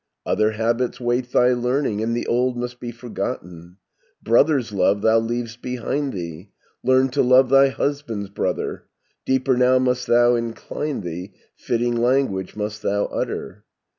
"Other habits wait thy learning, And the old must be forgotten. Brother's love thou leav'st behind thee; Learn to love thy husband's brother; 70 Deeper now must thou incline thee; Fitting language must thou utter.